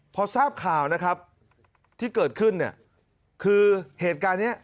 พอทราบข่าวนะครับที่เกิดขึ้นเนี่ยคือเหตุการณ์เนี้ย